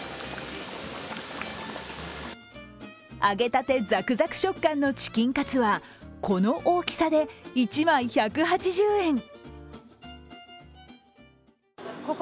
揚げたてザクザク食感のチキンカツは、この大きさで１枚１８０円。